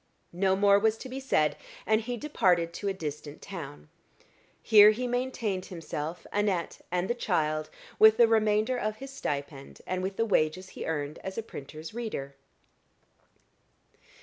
No more was to be said, and he departed to a distant town. Here he maintained himself, Annette and the child, with the remainder of his stipend, and with the wages he earned as a printer's reader.